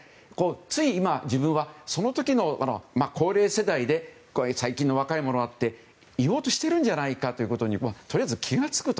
つい、今自分はその時の高齢世代で最近の若い者はって言おうとしてるんじゃないかととりあえず気が付くと。